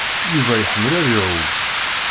Yuba iḥemmel ad iɛum.